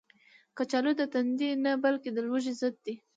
کچالو د تندې نه، بلکې د لوږې ضد دی